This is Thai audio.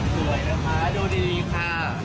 สวยนะคะดูดีค่ะ